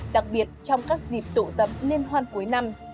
đặc biệt trong các dịp tụ tập liên hoan cuối năm